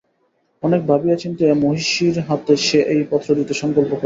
অনেক ভাবিয়া চিন্তিয়া মহিষীর হাতে সে এই পত্র দিতে সংকল্প করিল।